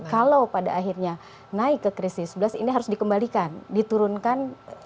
kalau pada akhirnya naik ke krisis blast ini harus dikembalikan diturunkan